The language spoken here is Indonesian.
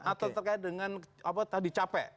atau terkait dengan apa tadi capek